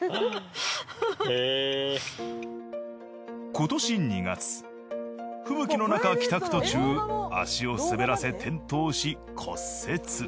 今年２月吹雪のなか帰宅途中足を滑らせ転倒し骨折。